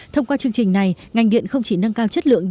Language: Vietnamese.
thông qua chương trình này ngành điện không chỉ nâng cao chất lượng